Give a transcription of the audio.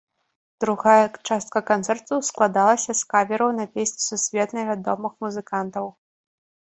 Другая частка канцэрту складалася з кавероў на песні сусветна вядомых музыкантаў.